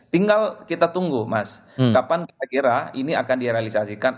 tinggal kita tunggu mas kapan kita kira ini akan di realizasikan